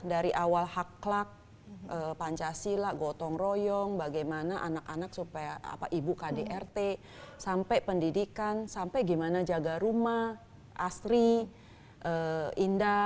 dari awal hak kelak pancasila gotong royong bagaimana anak anak supaya ibu kdrt sampai pendidikan sampai gimana jaga rumah asri indah